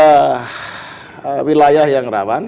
dua wilayah yang rawan